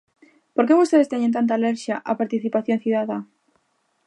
¿Por que vostedes teñen tanta alerxia á participación cidadá?